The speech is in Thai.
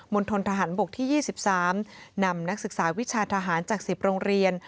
ณฑนทหารบกที่๒๓นำนักศึกษาวิชาทหารจาก๑๐โรงเรียน